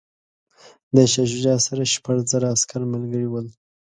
د شاه شجاع سره شپږ زره عسکر ملګري ول.